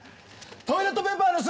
トイレットペーパー盗むなよ。